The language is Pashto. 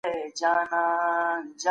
زه په دغه شور ماشور کي نه بېدېږم.